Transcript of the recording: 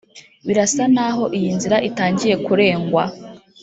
birasa n’aho iyi nzira itangiye kurengwa